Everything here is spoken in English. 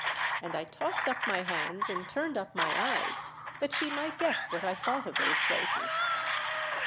And I tossed up my hands and turned up my eyes that she might guess what I thought of those places.